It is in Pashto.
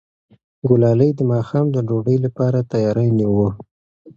ګلالۍ د ماښام د ډوډۍ لپاره تیاری نیوه.